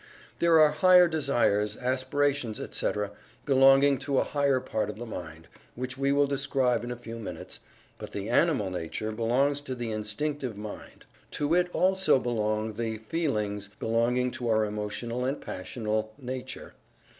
There are higher desires, aspirations, etc., belonging to a higher part of the mind, which we will describe in a few minutes, but the "animal nature" belongs to the Instinctive Mind. To it also belong the "feelings" belonging to our emotional and passional nature.